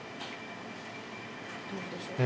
どうでしょうか